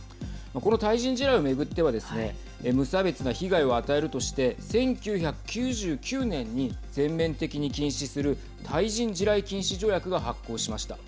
無差別な被害を与えるとして１９９９年に全面的に禁止する対人地雷禁止条約が発効しました。